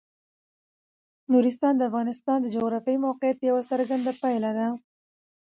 نورستان د افغانستان د جغرافیایي موقیعت یوه څرګنده پایله ده.